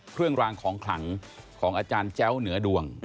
เครื่องรางของขลังของอาจารย์แจ้วเหนือดวง